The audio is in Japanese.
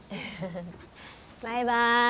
バイバーイ。